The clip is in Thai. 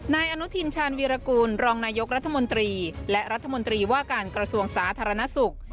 นายอนุทินชาญวีรกูลรองนายกรัฐมนตรีและรัฐมนตรีว่าการกระทรวงสาธารณสุข